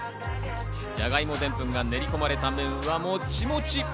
じゃがいもデンプンが練り込まれた麺はもっちもち。